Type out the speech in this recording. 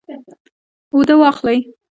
اوده واخلئ